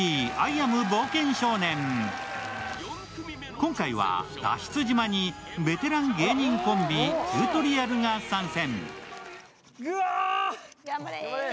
今回は脱出島にベテラン芸人コンビ・チュートリアルが参戦。